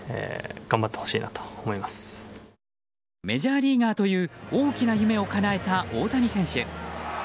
メジャーリーガーという大きな夢をかなえた大谷選手。